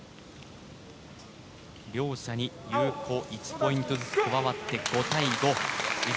両者に有効が１ポイントずつ加わって５対５